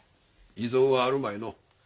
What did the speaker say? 異存はあるまいの？